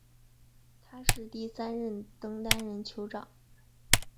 他是第三任登丹人酋长。